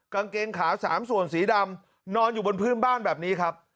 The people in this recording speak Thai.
กางเกงขาสามส่วนสีดำนอนอยู่บนพื้นบ้านแบบนี้ครับ